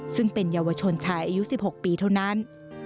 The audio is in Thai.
ซึ่งเป็นเยาวชนชายอายุ๑๖ปีเท่านั้น